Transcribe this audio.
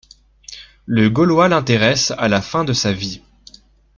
Le gaulois l'intéresse à la fin de sa vie.